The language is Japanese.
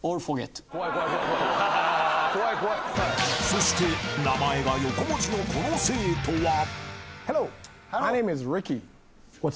［そして名前が横文字のこの生徒は］